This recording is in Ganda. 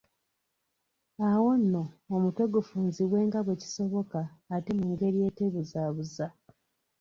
Awo nno, omutwe gufunzibwe nga bwe kisoboka ate mu ngeri atebuzaabuza.